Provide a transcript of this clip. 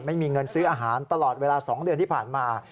ไม่มีเงินซื้ออาหารตลอดเวลา๒เดือนที่ผ่านมา